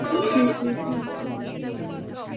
Please আমাকে নিয়ে যান।